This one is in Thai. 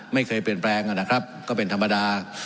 ไม่เคยเปลี่ยนแปลงนะครับก็เป็นธรรมดา